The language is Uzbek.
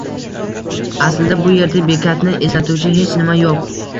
Aslida bu erda bekatni eslatuvchi hech nima yo`q